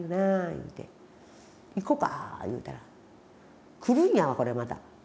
言うて「行こかぁ」言うたら来るんやわこれまた。